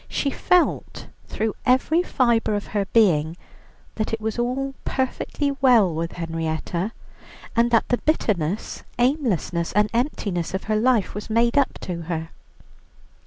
She felt through every fibre of her being that it was all perfectly well with Henrietta, and that the bitterness, aimlessness, and emptiness of her life was made up to her.